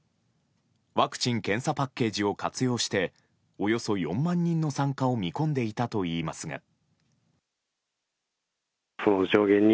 ワクチン・検査パッケージを活用しておよそ４万人の参加を見込んでいたといいますが。